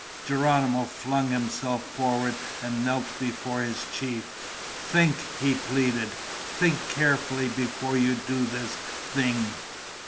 Geronimo flung himself forward and knelt before his chief. "Think!" he pleaded. "Think carefully before you do this thing!